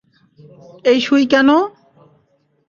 এই সুঁই কেনও?